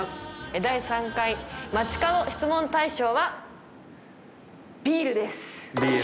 第３回街かど質問大賞はビールです！